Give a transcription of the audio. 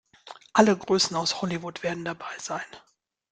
Alle Größen aus Hollywood werden dabei sein.